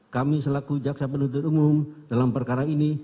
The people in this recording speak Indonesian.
kami selaku jaksa penuntut umum dalam perkara ini